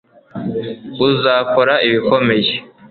uzakora ibikomeye